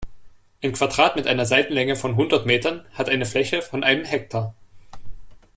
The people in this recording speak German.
Ein Quadrat mit einer Seitenlänge von hundert Metern hat eine Fläche von einem Hektar.